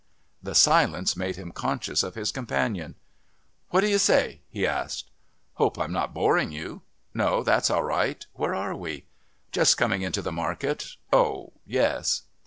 The silence made him conscious of his companion. "What do you say?" he asked. "Hope I'm not boring you." "No, that's all right. Where are we?" "Just coming into the market." "Oh, yes."